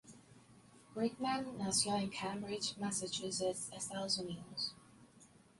Bridgman nació en Cambridge, Massachusetts, Estados Unidos.